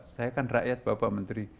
saya kan rakyat bapak menteri